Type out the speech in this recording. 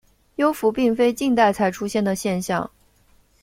幽浮并非近代才出现的现象。